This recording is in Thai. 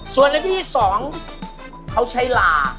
ส่วนอันที่สองเขาใช้ลา